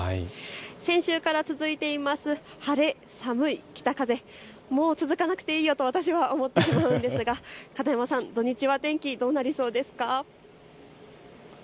先週から続いています晴れ、寒い、北風、もう続かなくてもいいよと私は思ってしまうんですが片山さん、土日は天気どうなりそうですか。